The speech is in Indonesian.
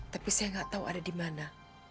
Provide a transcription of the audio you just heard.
tapi saya tidak tahu ada dimana